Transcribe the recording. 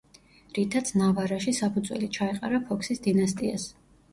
რითაც ნავარაში საფუძველი ჩაეყარა ფოქსის დინასტიას.